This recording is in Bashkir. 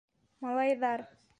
Малайҙар-ар!